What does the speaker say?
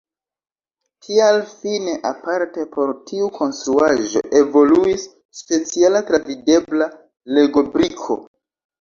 Tial fine aparte por tiu konstruaĵo evoluis speciala travidebla Lego-briko.